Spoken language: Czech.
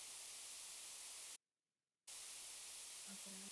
V obci je stanice této trati s názvem „Písečná“.